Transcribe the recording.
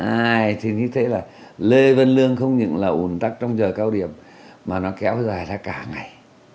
à thì như thế là lê vân lương không những là ổn tắc trong giờ cao điểm mà nó kéo dài ra cả ngày